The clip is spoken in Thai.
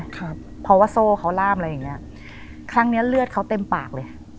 ครับเพราะว่าโซ่เขาล่ามอะไรอย่างเงี้ยครั้งเนี้ยเลือดเขาเต็มปากเลย